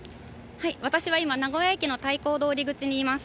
私は今、名古屋駅のたいこう通り口にいます。